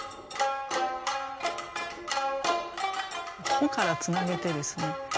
帆からつなげてですね